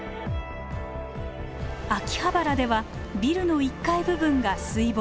秋葉原ではビルの１階部分が水没。